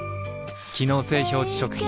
機能性表示食品